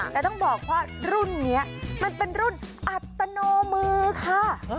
แต่ต้องบอกว่ารุ่นนี้มันเป็นรุ่นอัตโนมือค่ะ